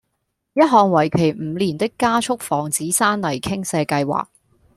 一項為期五年的加速防止山泥傾瀉計劃